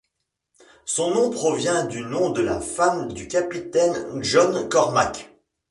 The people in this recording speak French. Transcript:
Son nom provient du nom de la femme du capitaine John Cormack.